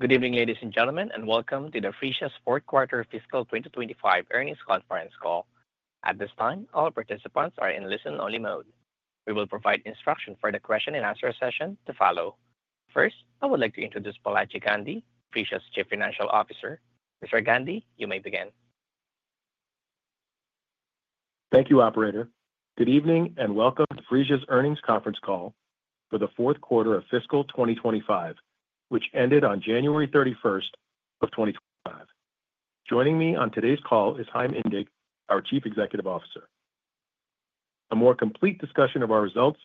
Good evening, ladies and gentlemen, and welcome to Phreesia's Fourth Quarter Fiscal 2025 Earnings Conference Call. At this time, all participants are in listen-only mode. We will provide instruction for the question-and-answer session to follow. First, I would like to introduce Balaji Gandhi, Phreesia's Chief Financial Officer. Mr. Gandhi, you may begin. Thank you, Operator. Good evening and welcome to Phreesia's Earnings Conference Call for the Fourth Quarter of Fiscal 2025, which ended on January 31 of 2025. Joining me on today's call is Chaim Indig, our Chief Executive Officer. A more complete discussion of our results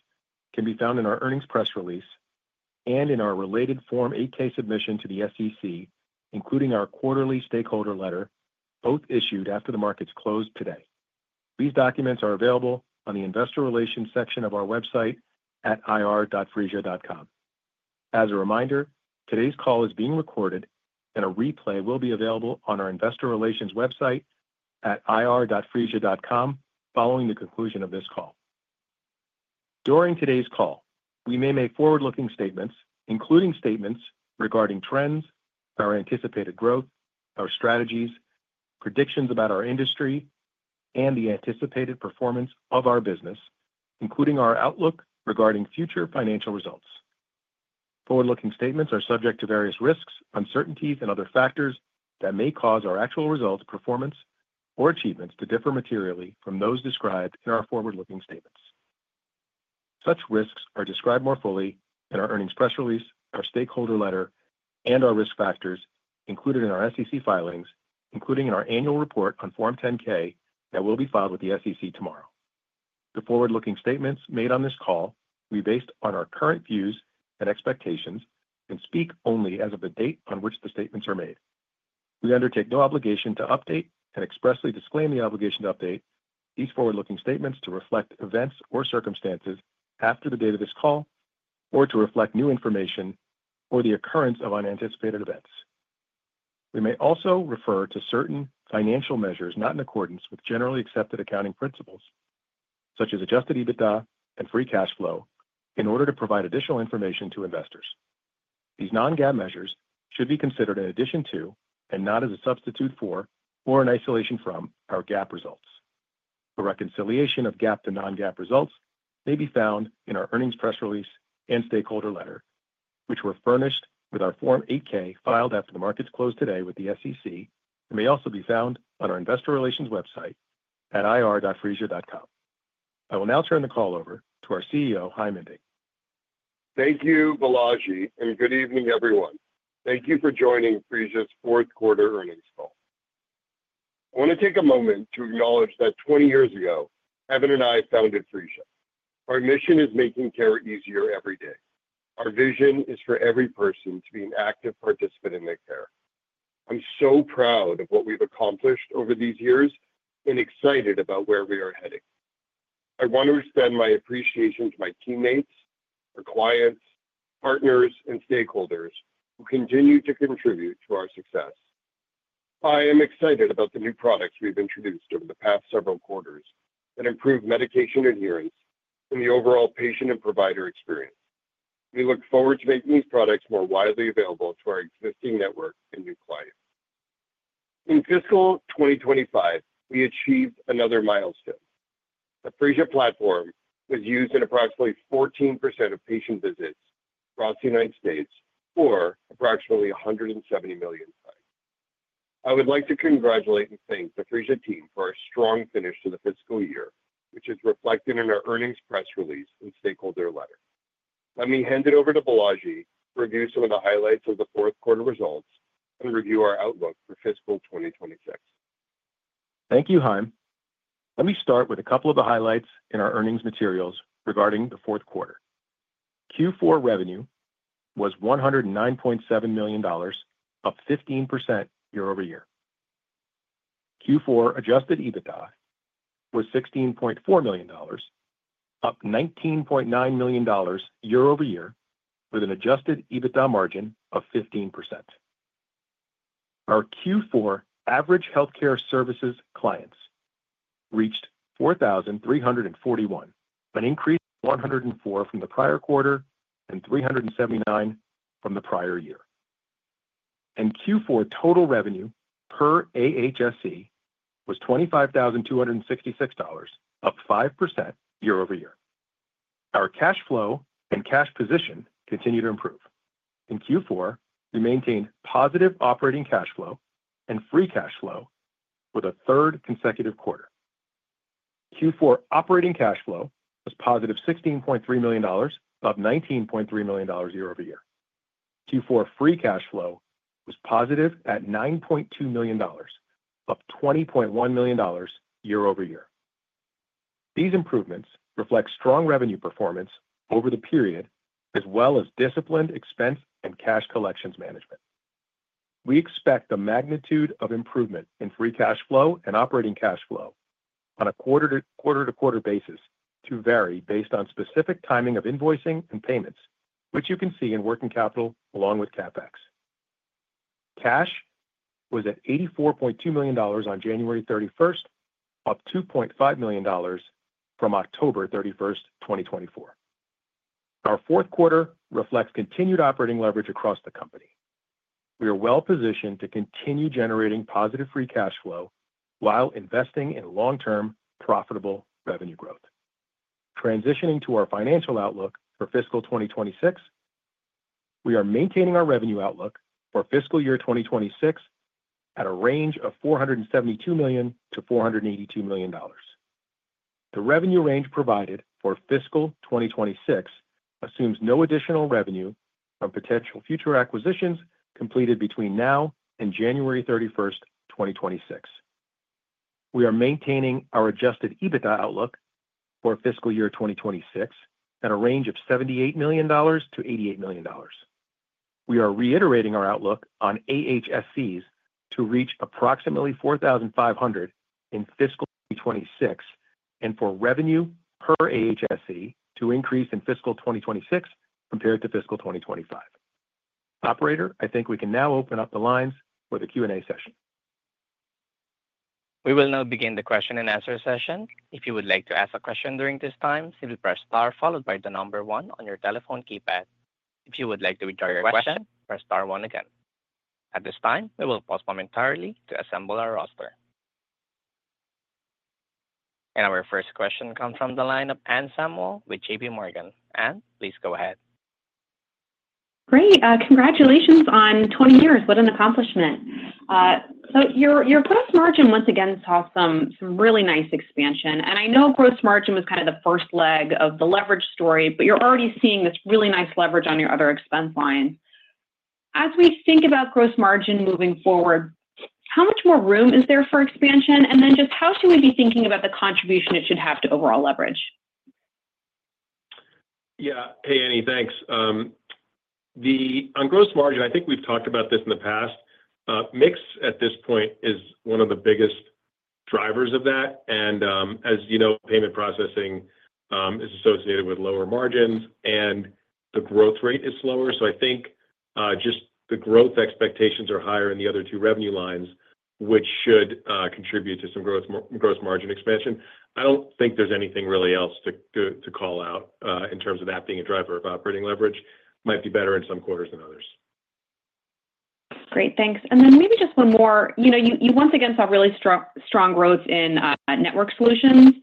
can be found in our earnings press release and in our related Form 8-K submission to the SEC, including our Quarterly Stakeholder Letter, both issued after the markets closed today. These documents are available on the Investor Relations section of our website at ir.phreesia.com. As a reminder, today's call is being recorded, and a replay will be available on our Investor Relations website at ir.phreesia.com following the conclusion of this call. During today's call, we may make forward-looking statements, including statements regarding trends, our anticipated growth, our strategies, predictions about our industry, and the anticipated performance of our business, including our outlook regarding future financial results. Forward-looking statements are subject to various risks, uncertainties, and other factors that may cause our actual results, performance, or achievements to differ materially from those described in our forward-looking statements. Such risks are described more fully in our earnings press release, our stakeholder letter, and our risk factors included in our SEC filings, including in our annual report on Form 10-K that will be filed with the SEC tomorrow. The forward-looking statements made on this call will be based on our current views and expectations and speak only as of the date on which the statements are made. We undertake no obligation to update and expressly disclaim the obligation to update these forward-looking statements to reflect events or circumstances after the date of this call or to reflect new information or the occurrence of unanticipated events. We may also refer to certain financial measures not in accordance with generally accepted accounting principles, such as adjusted EBITDA and free cash flow, in order to provide additional information to investors. These non-GAAP measures should be considered in addition to, and not as a substitute for, or in isolation from, our GAAP results. A reconciliation of GAAP to non-GAAP results may be found in our earnings press release and stakeholder letter, which were furnished with our Form 8-K filed after the markets closed today with the SEC, and may also be found on our Investor Relations website at irphreesia.com. I will now turn the call over to our CEO, Chaim Indig. Thank you, Balaji, and good evening, everyone. Thank you for joining Phreesia's fourth quarter earnings call. I want to take a moment to acknowledge that 20 years ago, Evan and I founded Phreesia. Our mission is making care easier every day. Our vision is for every person to be an active participant in their care. I'm so proud of what we've accomplished over these years and excited about where we are heading. I want to extend my appreciation to my teammates, our clients, partners, and stakeholders who continue to contribute to our success. I am excited about the new products we've introduced over the past several quarters that improve medication adherence and the overall patient and provider experience. We look forward to making these products more widely available to our existing network and new clients. In fiscal 2025, we achieved another milestone. The Phreesia platform was used in approximately 14% of patient visits across the United States, or approximately 170 million times. I would like to congratulate and thank the Phreesia team for our strong finish to the fiscal year, which is reflected in our earnings press release and stakeholder letter. Let me hand it over to Balaji to review some of the highlights of the fourth quarter results and review our outlook for fiscal 2026. Thank you, Chaim. Let me start with a couple of the highlights in our earnings materials regarding the fourth quarter. Q4 revenue was $109.7 million, up 15% year-over-year. Q4 adjusted EBITDA was $16.4 million, up $19.9 million year-over-year, with an adjusted EBITDA margin of 15%. Our Q4 average healthcare services clients reached 4,341, an increase of 104 from the prior quarter and 379 from the prior year. Q4 total revenue per AHSC was $25,266, up 5% year-over-year. Our cash flow and cash position continue to improve. In Q4, we maintained positive operating cash flow and free cash flow for the third consecutive quarter. Q4 operating cash flow was positive $16.3 million, up $19.3 million year-over-year. Q4 free cash flow was positive at $9.2 million, up $20.1 million year-over-year. These improvements reflect strong revenue performance over the period, as well as disciplined expense and cash collections management. We expect the magnitude of improvement in free cash flow and operating cash flow on a quarter-to-quarter basis to vary based on specific timing of invoicing and payments, which you can see in working capital along with CapEx. Cash was at $84.2 million on January 31, up $2.5 million from October 31, 2024. Our fourth quarter reflects continued operating leverage across the company. We are well-positioned to continue generating positive free cash flow while investing in long-term profitable revenue growth. Transitioning to our financial outlook for fiscal 2026, we are maintaining our revenue outlook for fiscal year 2026 at a range of $472 million-$482 million. The revenue range provided for fiscal 2026 assumes no additional revenue from potential future acquisitions completed between now and January 31, 2026. We are maintaining our adjusted EBITDA outlook for fiscal year 2026 at a range of $78 million-$88 million. We are reiterating our outlook on AHSCs to reach approximately 4,500 in Fiscal 2026 and for revenue per AHSC to increase in Fiscal 2026 compared to Fiscal 2025. Operator, I think we can now open up the lines for the Q&A session. We will now begin the question-and-answer session. If you would like to ask a question during this time, simply press star followed by the number one on your telephone keypad. If you would like to return your question, press star one again. At this time, we will pause momentarily to assemble our roster. Our first question comes from the line of Anne Samuel with JPMorgan. Anne, please go ahead. Great. Congratulations on 20 years. What an accomplishment. Your gross margin once again saw some really nice expansion. I know gross margin was kind of the first leg of the leverage story, but you're already seeing this really nice leverage on your other expense line. As we think about gross margin moving forward, how much more room is there for expansion? Just how should we be thinking about the contribution it should have to overall leverage? Yeah. Hey, Annie, thanks. On gross margin, I think we've talked about this in the past. Mix at this point is one of the biggest drivers of that. And as you know, payment processing is associated with lower margins, and the growth rate is slower. I think just the growth expectations are higher in the other two revenue lines, which should contribute to some gross margin expansion. I don't think there's anything really else to call out in terms of that being a driver of operating leverage. It might be better in some quarters than others. Great. Thanks. Maybe just one more. You once again saw really strong growth in network solutions.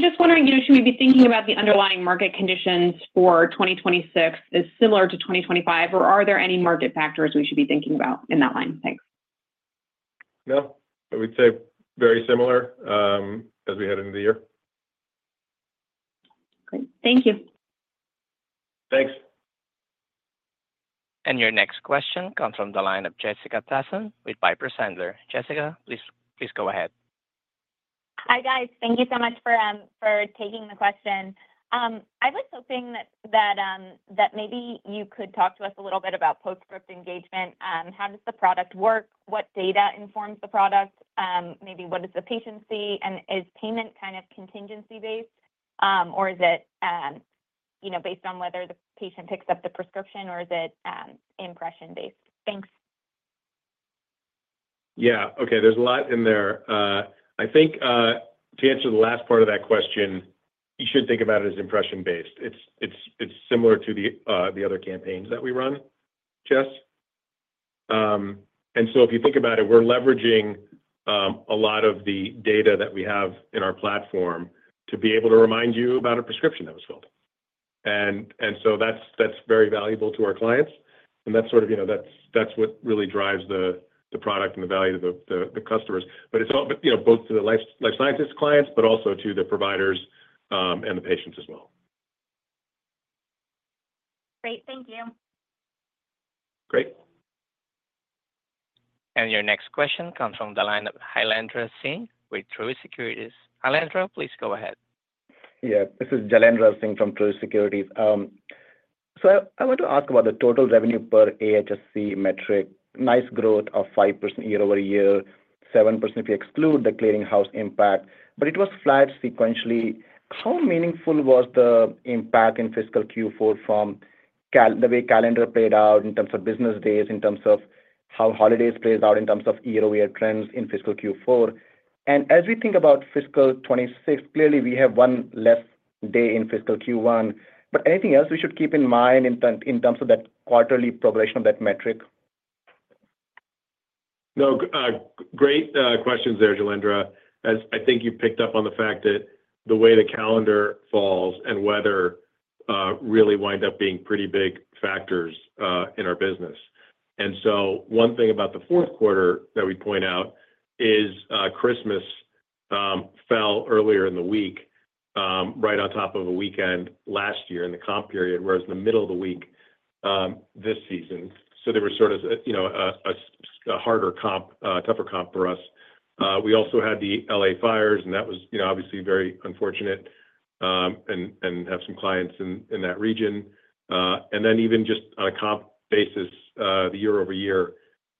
Just wondering, should we be thinking about the underlying market conditions for 2026 as similar to 2025, or are there any market factors we should be thinking about in that line? Thanks. No. I would say very similar as we head into the year. Great. Thank you. Thanks. Your next question comes from the line of Jessica Tassan with Piper Sandler. Jessica, please go ahead. Hi, guys. Thank you so much for taking the question. I was hoping that maybe you could talk to us a little bit about Post-Prescription Engagement. How does the product work? What data informs the product? Maybe what does the patient see? Is payment kind of contingency-based, or is it based on whether the patient picks up the prescription, or is it impression-based? Thanks. Yeah. Okay. There's a lot in there. I think to answer the last part of that question, you should think about it as impression-based. It's similar to the other campaigns that we run, Jess. If you think about it, we're leveraging a lot of the data that we have in our platform to be able to remind you about a prescription that was filled. That's very valuable to our clients. That's what really drives the product and the value to the customers. It's both to the Life Sciences clients, but also to the providers and the patients as well. Great. Thank you. Great. Your next question comes from the line of Jailendra Singh with Truist Securities. Jailendra, please go ahead. Yeah. This is Jailendra Singh from Truist Securities. I want to ask about the total revenue per AHSC metric, nice growth of 5% year-over-year, 7% if you exclude the clearinghouse impact, but it was flat sequentially. How meaningful was the impact in fiscal Q4 from the way calendar played out in terms of business days, in terms of how holidays play out in terms of year-over-year trends in fiscal Q4? As we think about fiscal 2026, clearly we have one less day in fiscal Q1. Anything else we should keep in mind in terms of that quarterly progression of that metric? No. Great questions there, Jailendra. I think you picked up on the fact that the way the calendar falls and weather really wind up being pretty big factors in our business. One thing about the fourth quarter that we point out is Christmas fell earlier in the week, right on top of a weekend last year in the comp period, whereas in the middle of the week this season. There was sort of a harder comp, tougher comp for us. We also had the Los Angeles fires, and that was obviously very unfortunate and had some clients in that region. Even just on a comp basis, the year-over-year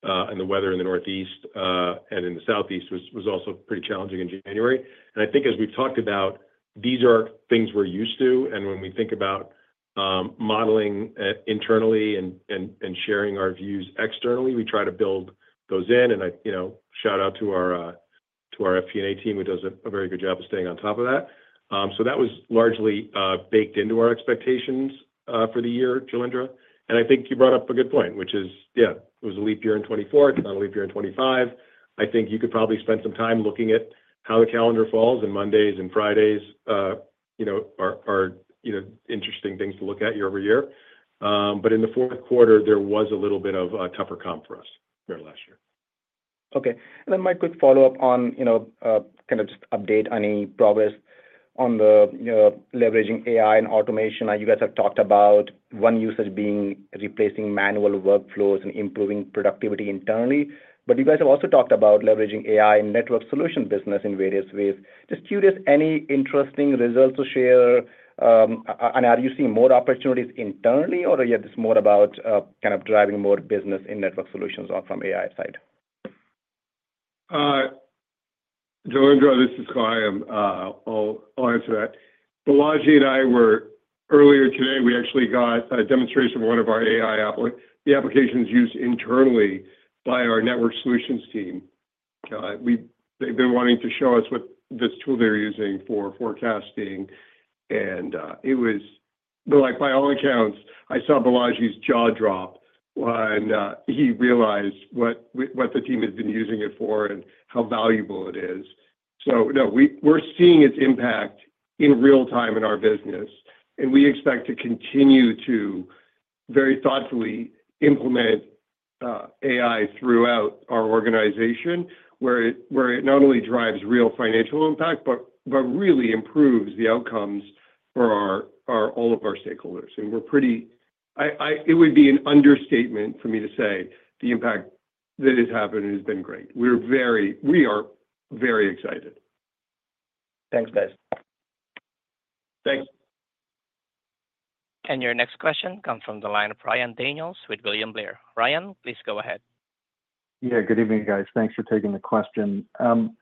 and the weather in the Northeast and in the Southeast was also pretty challenging in January. I think as we've talked about, these are things we're used to. When we think about modeling internally and sharing our views externally, we try to build those in. Shout out to our FP&A team, who does a very good job of staying on top of that. That was largely baked into our expectations for the year, Jailendra. I think you brought up a good point, which is, yeah, it was a leap year in 2024. It is not a leap year in 2025. I think you could probably spend some time looking at how the calendar falls, and Mondays and Fridays are interesting things to look at year-over-year. In the fourth quarter, there was a little bit of a tougher comp for us here last year. Okay. My quick follow-up on kind of just update on any progress on the leveraging AI and automation. You guys have talked about one usage being replacing manual workflows and improving productivity internally. You guys have also talked about leveraging AI and network solution business in various ways. Just curious, any interesting results to share? Are you seeing more opportunities internally, or is this more about kind of driving more business in network solutions from AI side? Jailendra, this is Chaim. I'll answer that. Balaji and I were earlier today. We actually got a demonstration of one of our AI applications used internally by our Network Solutions team. They've been wanting to show us what this tool they're using for forecasting. It was, by all accounts, I saw Balaji's jaw drop when he realized what the team has been using it for and how valuable it is. No, we're seeing its impact in real time in our business. We expect to continue to very thoughtfully implement AI throughout our organization, where it not only drives real financial impact, but really improves the outcomes for all of our stakeholders. It would be an understatement for me to say the impact that has happened has been great. We are very excited. Thanks, guys. Thanks. Your next question comes from the line of Ryan Daniels with William Blair. Ryan, please go ahead. Yeah. Good evening, guys. Thanks for taking the question. I'm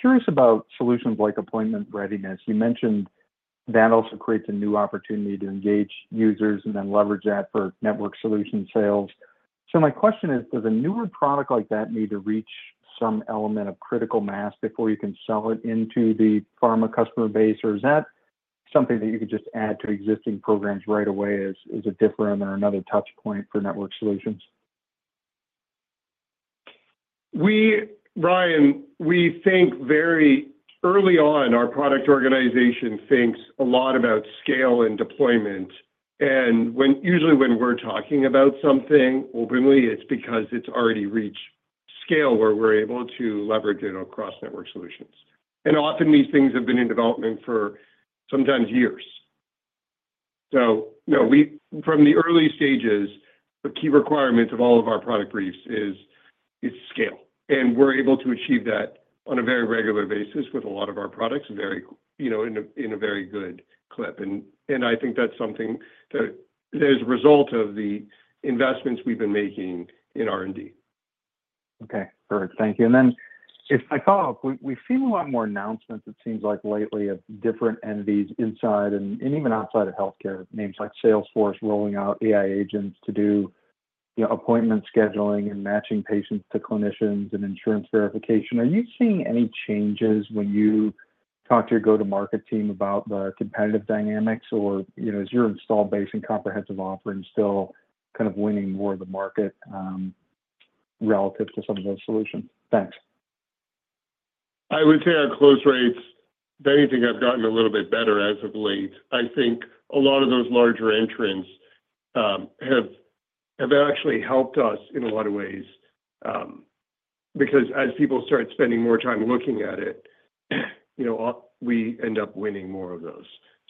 curious about solutions like Appointment Readiness. You mentioned that also creates a new opportunity to engage users and then leverage that for Network Solution sales. My question is, does a newer product like that need to reach some element of critical mass before you can sell it into the pharma customer base, or is that something that you could just add to existing programs right away as a different or another touchpoint for Network Solutions? Ryan, we think very early on, our product organization thinks a lot about scale and deployment. Usually when we're talking about something openly, it's because it's already reached scale where we're able to leverage it across Network Solutions. Often these things have been in development for sometimes years. From the early stages, the key requirement of all of our product briefs is scale. We're able to achieve that on a very regular basis with a lot of our products in a very good clip. I think that's something that is a result of the investments we've been making in R&D. Okay. Perfect. Thank you. If I follow up, we've seen a lot more announcements, it seems like lately, of different entities inside and even outside of healthcare, names like Salesforce rolling out AI agents to do appointment scheduling and matching patients to clinicians and insurance verification. Are you seeing any changes when you talk to your go-to-market team about the competitive dynamics, or is your installed base and comprehensive offering still kind of winning more of the market relative to some of those solutions? Thanks. I would say our close rates, if anything, have gotten a little bit better as of late. I think a lot of those larger entrants have actually helped us in a lot of ways because as people start spending more time looking at it, we end up winning more of those.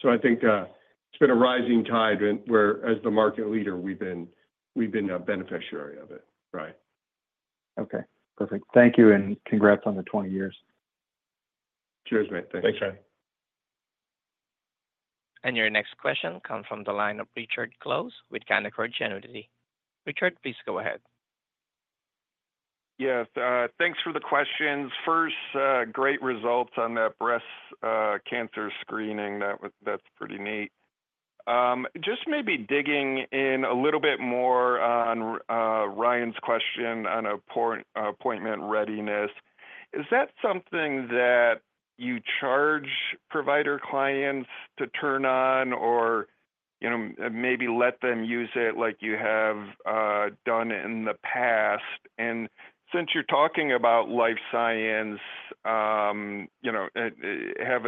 I think it's been a rising tide where, as the market leader, we've been a beneficiary of it, right? Okay. Perfect. Thank you. Congrats on the 20 years. Cheers, mate. Thanks. Thanks, Ryan. Your next question comes from the line of Richard Close with Canaccord Genuity. Richard, please go ahead. Yes. Thanks for the questions. First, great results on that breast cancer screening. That's pretty neat. Just maybe digging in a little bit more on Ryan's question on Appointment Readiness. Is that something that you charge provider clients to turn on or maybe let them use it like you have done in the past? Since you're talking about life science, having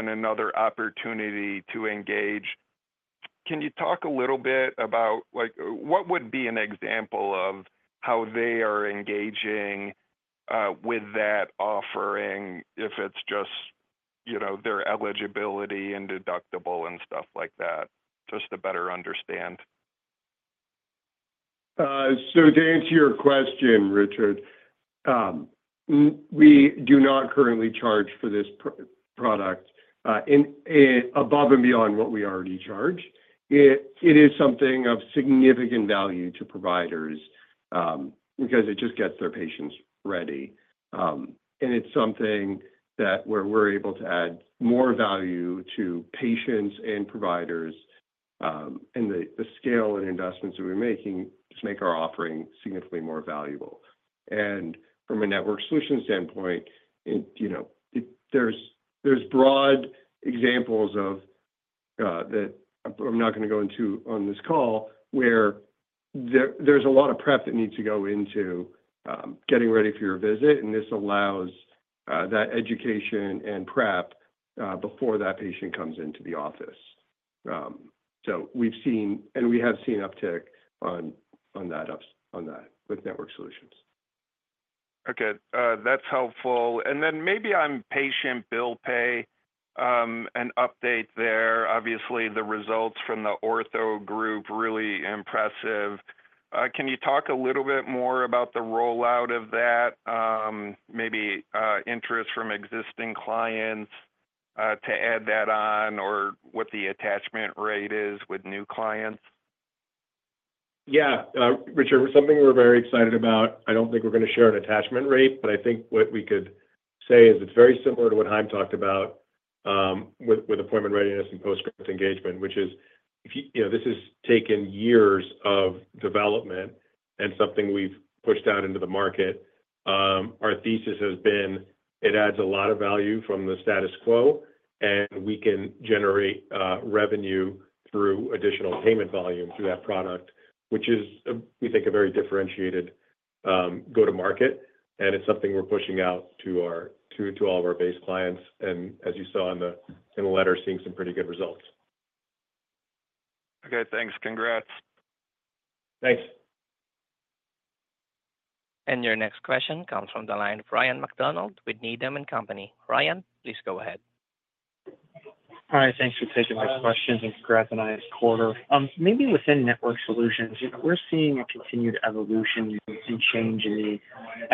another opportunity to engage, can you talk a little bit about what would be an example of how they are engaging with that offering if it's just their eligibility and deductible and stuff like that, just to better understand? To answer your question, Richard, we do not currently charge for this product above and beyond what we already charge. It is something of significant value to providers because it just gets their patients ready. It is something where we are able to add more value to patients and providers, and the scale and investments that we are making just make our offering significantly more valuable. From a network solution standpoint, there are broad examples of that I am not going to go into on this call where there is a lot of prep that needs to go into getting ready for your visit. This allows that education and prep before that patient comes into the office. We have seen uptick on that with network solutions. Okay. That's helpful. Maybe on Patient Bill Pay, an update there. Obviously, the results from the Ortho Group, really impressive. Can you talk a little bit more about the rollout of that, maybe interest from existing clients to add that on, or what the attachment rate is with new clients? Yeah. Richard, something we're very excited about. I don't think we're going to share an attachment rate, but I think what we could say is it's very similar to what Chaim talked about with Appointment Readiness and Post-Prescription Engagement, which is this has taken years of development and something we've pushed out into the market. Our thesis has been it adds a lot of value from the status quo, and we can generate revenue through additional payment volume through that product, which is, we think, a very differentiated go-to-market. It's something we're pushing out to all of our base clients. As you saw in the letter, seeing some pretty good results. Okay. Thanks. Congrats. Thanks. Your next question comes from the line of Ryan MacDonald with Needham & Company. Ryan, please go ahead. Hi. Thanks for taking this question and congrats on this quarter. Maybe within Network Solutions, we're seeing a continued evolution and change in the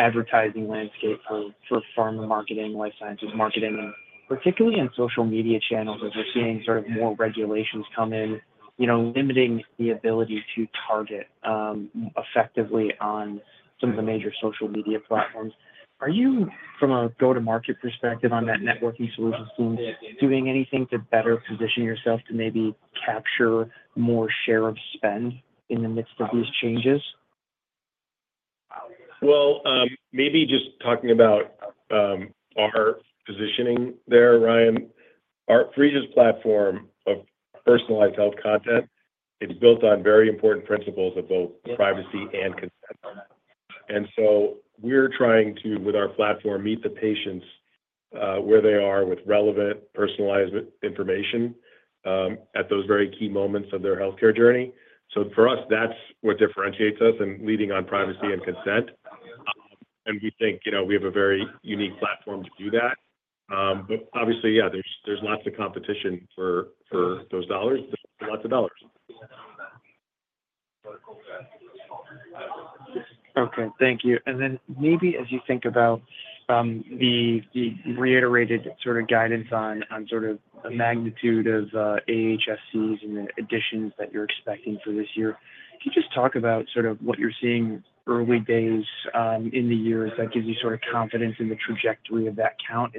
advertising landscape for pharma marketing, life sciences marketing, and particularly in social media channels, as we're seeing sort of more regulations come in, limiting the ability to target effectively on some of the major social media platforms. Are you, from a go-to-market perspective on that Network Solutions team, doing anything to better position yourself to maybe capture more share of spend in the midst of these changes? Maybe just talking about our positioning there, Ryan. Our Phreesia's platform of personalized health content is built on very important principles of both privacy and consent. We are trying to, with our platform, meet the patients where they are with relevant personalized information at those very key moments of their healthcare journey. For us, that is what differentiates us in leading on privacy and consent. We think we have a very unique platform to do that. Obviously, yeah, there is lots of competition for those dollars. Lots of dollars. Okay. Thank you. Maybe as you think about the reiterated sort of guidance on the magnitude of AHSCs and the additions that you're expecting for this year, can you just talk about what you're seeing early days in the year that gives you confidence in the trajectory of that count?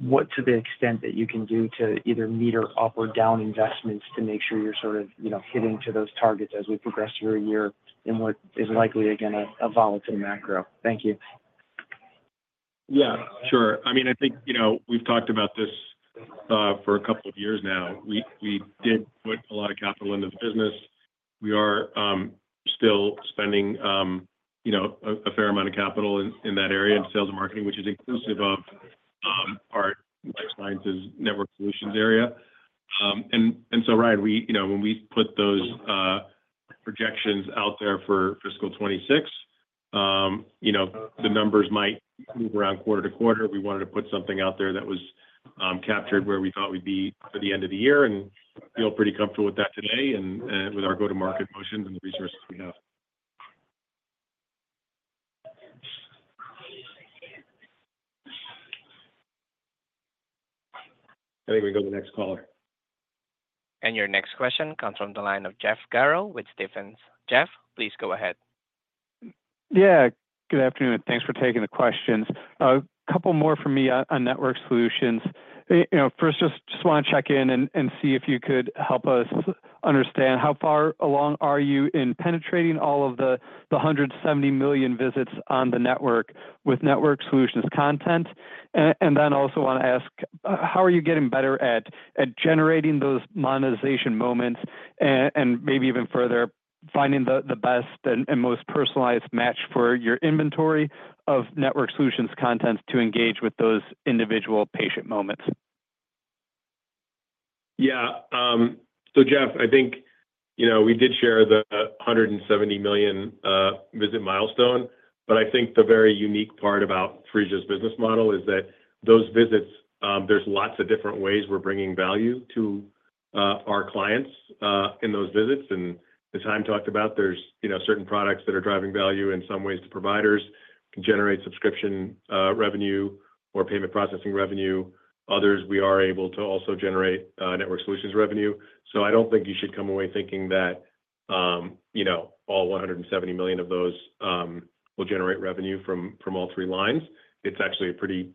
What to the extent that you can do to either meter up or down investments to make sure you're hitting to those targets as we progress through a year in what is likely, again, a volatile macro? Thank you. Yeah. Sure. I mean, I think we've talked about this for a couple of years now. We did put a lot of capital into the business. We are still spending a fair amount of capital in that area in sales and marketing, which is inclusive of our life sciences network solutions area. Ryan, when we put those projections out there for fiscal 2026, the numbers might move around quarter to quarter. We wanted to put something out there that captured where we thought we'd be for the end of the year and feel pretty comfortable with that today and with our go-to-market motions and the resources we have. I think we can go to the next caller. Your next question comes from the line of Jeff Garro with Stephens. Jeff, please go ahead. Yeah. Good afternoon. Thanks for taking the questions. A couple more for me on network solutions. First, just want to check in and see if you could help us understand how far along are you in penetrating all of the 170 million visits on the network with network solutions content. Also want to ask, how are you getting better at generating those monetization moments and maybe even further finding the best and most personalized match for your inventory of network solutions content to engage with those individual patient moments? Yeah. Jeff, I think we did share the 170 million visit milestone, but I think the very unique part about Phreesia's business model is that those visits, there's lots of different ways we're bringing value to our clients in those visits. As Chaim talked about, there are certain products that are driving value in some ways so providers can generate subscription revenue or payment processing revenue. Others, we are able to also generate Network Solutions revenue. I don't think you should come away thinking that all 170 million of those will generate revenue from all three lines. It's actually a pretty,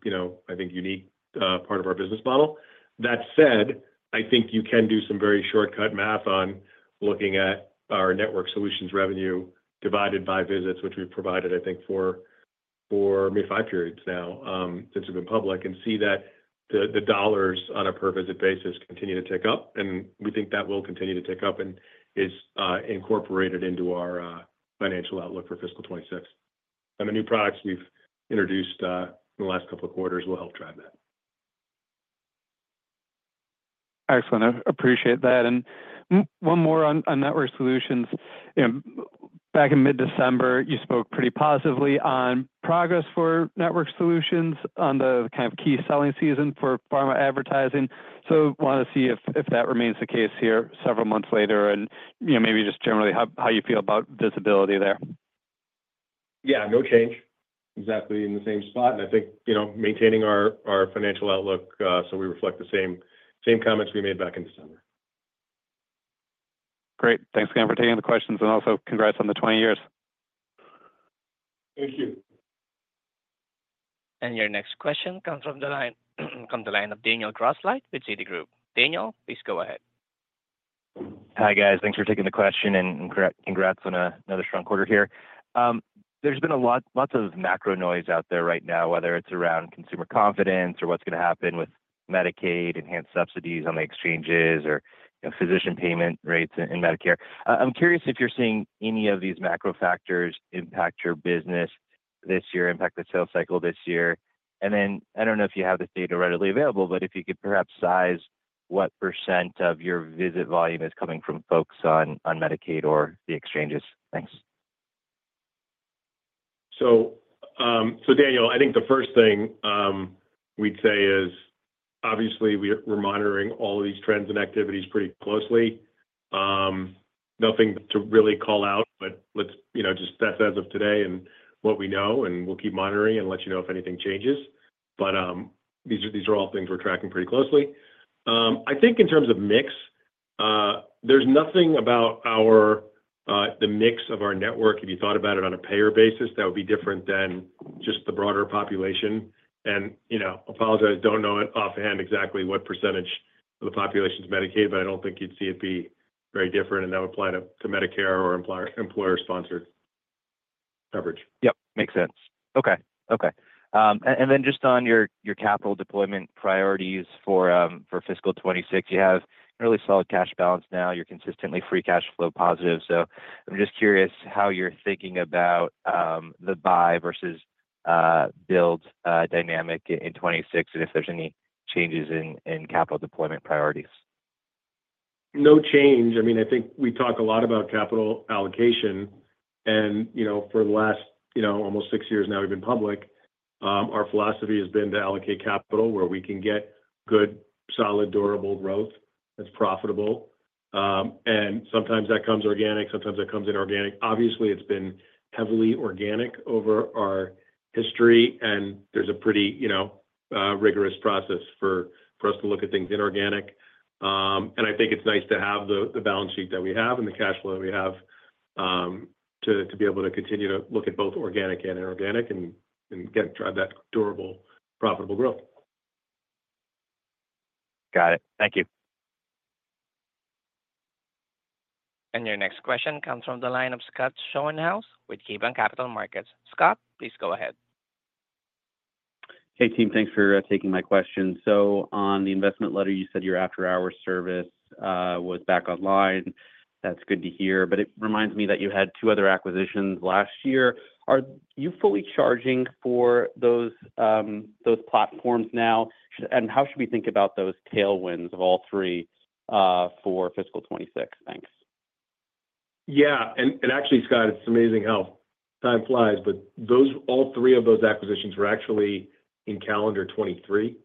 I think, unique part of our business model. That said, I think you can do some very shortcut math on looking at our Network Solutions revenue divided by visits, which we've provided, I think, for maybe five periods now since we've been public, and see that the dollars on a per-visit basis continue to tick up. We think that will continue to tick up and is incorporated into our financial outlook for fiscal 2026. The new products we've introduced in the last couple of quarters will help drive that. Excellent. Appreciate that. One more on network solutions. Back in mid-December, you spoke pretty positively on progress for network solutions on the kind of key selling season for pharma advertising. I want to see if that remains the case here several months later and maybe just generally how you feel about visibility there. Yeah. No change. Exactly in the same spot. I think maintaining our financial outlook so we reflect the same comments we made back in December. Great. Thanks again for taking the questions. Also, congrats on the 20 years. Thank you. Your next question comes from the line of Daniel Grosslight with Citigroup. Daniel, please go ahead. Hi guys. Thanks for taking the question and congrats on another strong quarter here. There's been a lot of macro noise out there right now, whether it's around consumer confidence or what's going to happen with Medicaid, enhanced subsidies on the exchanges, or physician payment rates in Medicare. I'm curious if you're seeing any of these macro factors impact your business this year, impact the sales cycle this year. I don't know if you have this data readily available, but if you could perhaps size what % of your visit volume is coming from folks on Medicaid or the exchanges. Thanks. Daniel, I think the first thing we'd say is obviously we're monitoring all of these trends and activities pretty closely. Nothing to really call out, but let's just step as of today and what we know, and we'll keep monitoring and let you know if anything changes. These are all things we're tracking pretty closely. I think in terms of mix, there's nothing about the mix of our network. If you thought about it on a payer basis, that would be different than just the broader population. Apologize, don't know offhand exactly what percentage of the population is Medicaid, but I don't think you'd see it be very different. That would apply to Medicare or employer-sponsored coverage. Yep. Makes sense. Okay. Okay. And then just on your capital deployment priorities for fiscal 2026, you have really solid cash balance now. You're consistently free cash flow positive. I'm just curious how you're thinking about the buy versus build dynamic in 2026 and if there's any changes in capital deployment priorities. No change. I mean, I think we talk a lot about capital allocation. For the last almost six years now we've been public, our philosophy has been to allocate capital where we can get good, solid, durable growth that's profitable. Sometimes that comes organic. Sometimes that comes inorganic. Obviously, it's been heavily organic over our history, and there's a pretty rigorous process for us to look at things inorganic. I think it's nice to have the balance sheet that we have and the cash flow that we have to be able to continue to look at both organic and inorganic and drive that durable, profitable growth. Got it. Thank you. Your next question comes from the line of Scott Schoenhaus with KeyBanc Capital Markets. Scott, please go ahead. Hey, team. Thanks for taking my question. On the investment letter, you said your after-hours service was back online. That's good to hear. It reminds me that you had two other acquisitions last year. Are you fully charging for those platforms now? How should we think about those tailwinds of all three for fiscal 2026? Thanks. Yeah. Actually, Scott, it's amazing how time flies, but all three of those acquisitions were actually in calendar 2023,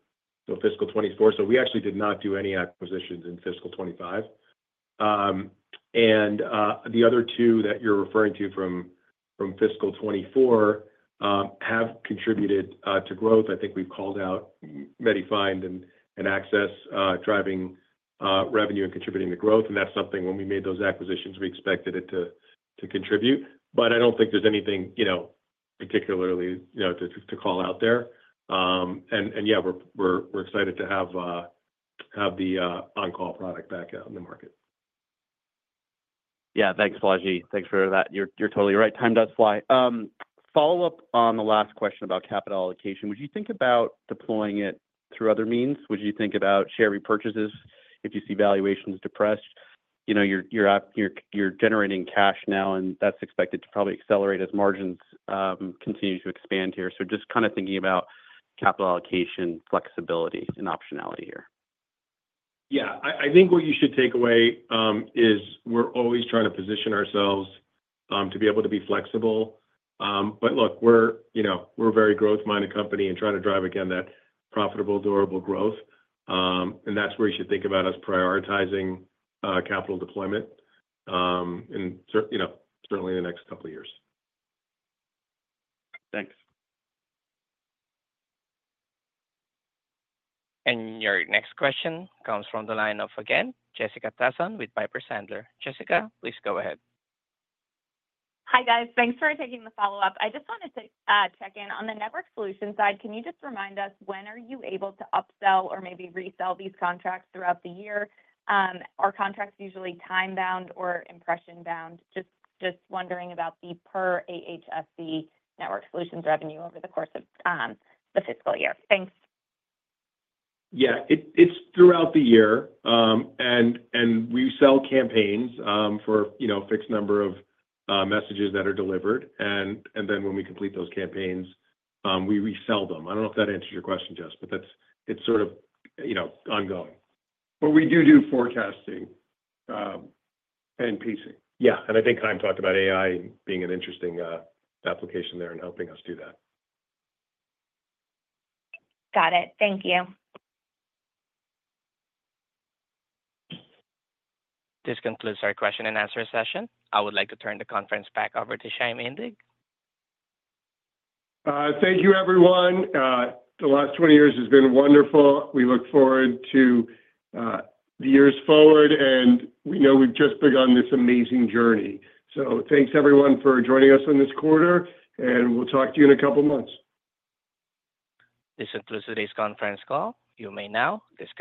so fiscal 2024. We actually did not do any acquisitions in fiscal 2025. The other two that you're referring to from fiscal 2024 have contributed to growth. I think we've called out MediFind and Access driving revenue and contributing to growth. That's something when we made those acquisitions, we expected it to contribute. I don't think there's anything particularly to call out there. Yeah, we're excited to have the on-call product back out in the market. Yeah. Thanks, Balaji. Thanks for that. You're totally right. Time does fly. Follow-up on the last question about capital allocation. Would you think about deploying it through other means? Would you think about share repurchases if you see valuations depressed? You're generating cash now, and that's expected to probably accelerate as margins continue to expand here. Just kind of thinking about capital allocation flexibility and optionality here. Yeah. I think what you should take away is we're always trying to position ourselves to be able to be flexible. Look, we're a very growth-minded company and trying to drive, again, that profitable, durable growth. That's where you should think about us prioritizing capital deployment in certainly the next couple of years. Thanks. Your next question comes from the line of, again, Jessica Tassan with Piper Sandler. Jessica, please go ahead. Hi, guys. Thanks for taking the follow-up. I just wanted to check in. On the network solution side, can you just remind us when are you able to upsell or maybe resell these contracts throughout the year? Are contracts usually time-bound or impression-bound? Just wondering about the per AHSC network solutions revenue over the course of the fiscal year. Thanks. Yeah. It's throughout the year. We resell campaigns for a fixed number of messages that are delivered. When we complete those campaigns, we resell them. I don't know if that answers your question, Jess, but it's sort of ongoing. We do do forecasting and pacing. Yeah. I think Chaim talked about AI being an interesting application there and helping us do that. Got it. Thank you. This concludes our question and answer session. I would like to turn the conference back over to Chaim Indig. Thank you, everyone. The last 20 years has been wonderful. We look forward to the years forward. We know we've just begun this amazing journey. Thanks, everyone, for joining us in this quarter. We'll talk to you in a couple of months. This concludes today's conference call. You may now disconnect.